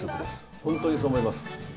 本当にそう思います。